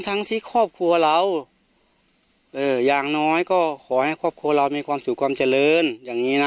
ทั้งที่ครอบครัวเราเอออย่างน้อยก็ขอให้ครอบครัวเรามีความสุขความเจริญอย่างนี้นะ